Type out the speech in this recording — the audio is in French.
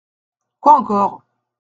Quoi encore ?